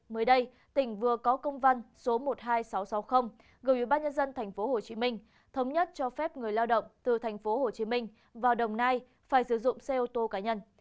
mới đây tỉnh vừa có công văn số một mươi hai nghìn sáu trăm sáu mươi gửi ba nhân dân tp hcm thống nhất cho phép người lao động từ tp hcm vào đồng nai phải sử dụng xe ô tô cá nhân